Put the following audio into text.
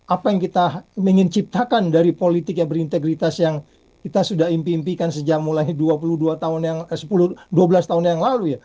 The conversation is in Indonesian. apa yang kita ingin ciptakan dari politik yang berintegritas yang kita sudah impi impikan sejak mulai dua belas tahun yang lalu ya